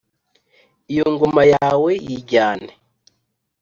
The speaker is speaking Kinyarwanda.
iyo ngoma yawe yijyane